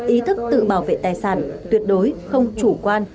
ý thức tự bảo vệ tài sản tuyệt đối không chủ quan